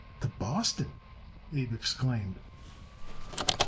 "To Boston!" Abe exclaimed.